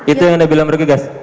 itu yang anda bilang bergegas